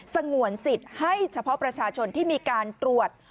สงวนสิทธิ์ให้เฉพาะประชาชนที่มีการตรวจ